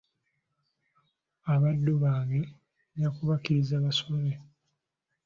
Abaddu bange nja kubakkiriza basome.